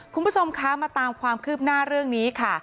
คุณผู้ชมคะมาตามความคืบหน้าเรื่องนี้ค่ะ